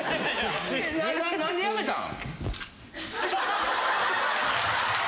何でやめたん？